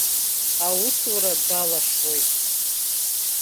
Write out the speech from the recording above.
Аусура далашуеит.